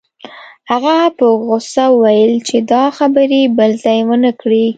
هغه په غوسه وویل چې دا خبرې بل ځای ونه کړې